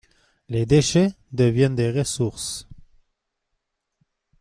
Les déchets deviennent des ressources.